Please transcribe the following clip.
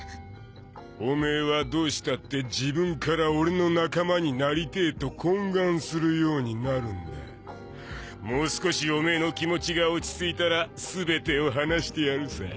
オメエはどうしたって自分から俺の仲間になりてぇと懇願するようになるんだもう少しオメエの気持ちが落ち着いたら全てを話してやるさ